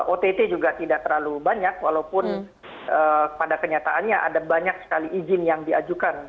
ott juga tidak terlalu banyak walaupun pada kenyataannya ada banyak sekali izin yang diajukan